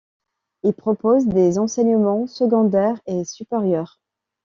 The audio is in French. Il propose des enseignements secondaires et supérieurs.